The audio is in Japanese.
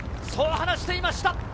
そう話していました。